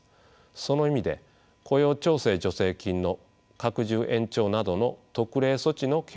その意味で雇用調整助成金の拡充延長などの特例措置の継続は必要です。